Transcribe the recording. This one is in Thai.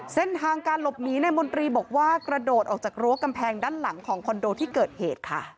เส้นทางการหลบหนีนายมนตรีบอกว่ากระโดดออกจากรั้วกำแพงด้านหลังของคอนโดที่เกิดเหตุค่ะ